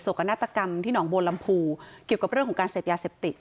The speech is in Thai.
กนาฏกรรมที่หนองบัวลำพูเกี่ยวกับเรื่องของการเสพยาเสพติด